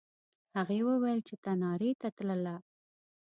هغې وویل چې تنارې ته تلله.